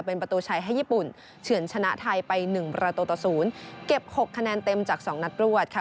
เป็นประตูชัยให้ญี่ปุ่นเฉินชนะไทยไป๑ประตูต่อ๐เก็บ๖คะแนนเต็มจาก๒นัดรวดค่ะ